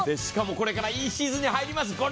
しかもこれからいいシーズンに入ります。